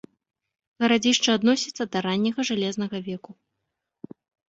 Гарадзішча адносіцца да ранняга жалезнага веку.